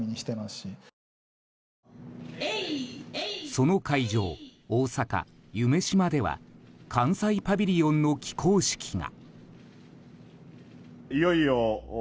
その会場、大阪・夢洲では関西パビリオンの起工式が。